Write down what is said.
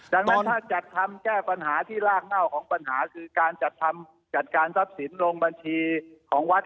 ดังนั้นถ้าจัดทำแก้ปัญหาที่รากเง่าของปัญหาคือการจัดทำจัดการทรัพย์สินลงบัญชีของวัด